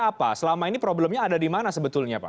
apa selama ini problemnya ada di mana sebetulnya pak